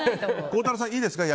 孝太郎さん、いいですか？